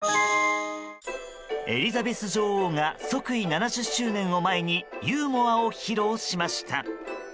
エリザベス女王が即位７０周年を前にユーモアを披露しました。